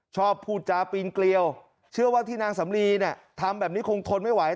พูดจาปีนเกลียวเชื่อว่าที่นางสำลีเนี่ยทำแบบนี้คงทนไม่ไหว